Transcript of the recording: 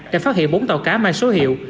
đã phát hiện bốn tàu cá mang số hiệu